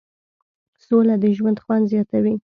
سوله د ژوند خوند زیاتوي.